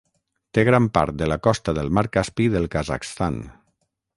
Té gran part de la costa del Mar Caspi del Kazakhstan.